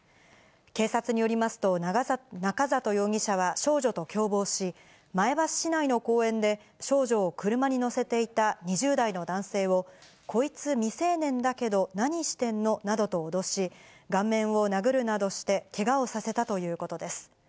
警察によりますと、中里容疑者は少女と共謀し、前橋市内の公園で、少女を車に乗せていた２０代の男性を、こいつ、未成年だけど何してんのなどと脅し、顔面を殴るなどして、けがをさせたということです。